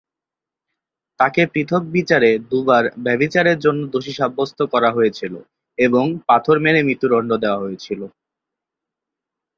তাকে পৃথক বিচারে দুবার ব্যভিচারের জন্য দোষী সাব্যস্ত করা হয়েছিল এবং পাথর মেরে মৃত্যুদণ্ড দেওয়া হয়েছিল।